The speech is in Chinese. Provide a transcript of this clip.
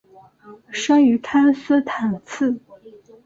生于康斯坦茨。